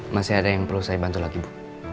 masih ada yang perlu saya bantu lagi bu